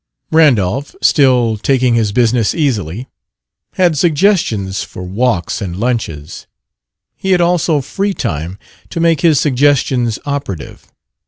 Randolph, still taking his business easily, had suggestions for walks and lunches; he had also free time to make his suggestions operative.